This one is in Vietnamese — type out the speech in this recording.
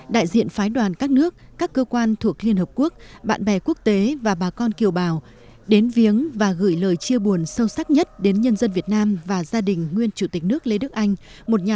đại diện phái đoàn các nước các cơ quan thuộc liên hợp quốc bạn bè quốc tế và bà con kiều bào đến viếng và gửi lời chia buồn sâu sắc nhất đến nhân dân việt nam và gia đình nguyên chủ tịch nước lê đức anh